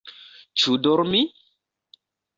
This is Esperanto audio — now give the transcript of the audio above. Ĉu dormi?